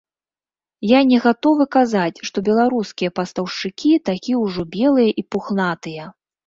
Я не гатовы казаць, што беларускія пастаўшчыкі такія ўжо белыя і пухнатыя.